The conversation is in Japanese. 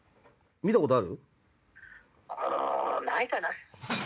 見たことある？